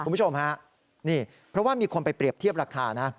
คุณผู้ชมฮะนี่เพราะว่ามีคนไปเปรียบเทียบราคานะ